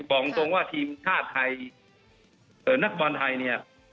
บอกตรงว่าทีมชาติไทยนักบอลไทยเนี่ย